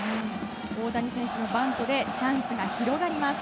大谷選手のバントでチャンスが広がります。